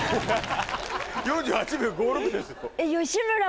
４８秒５６ですよ。